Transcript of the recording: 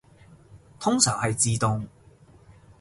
通常係自動